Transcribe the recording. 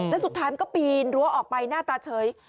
แล้วสุดท้ายมันก็ปีนรั้วออกไปหน้าตาเฉย